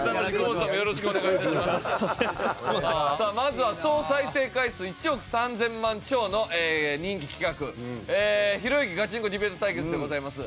まずは総再生回数１億３０００万超の人気企画「ひろゆきガチンコディベート対決！」でございます。